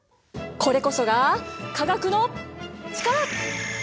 これこそが化学の力！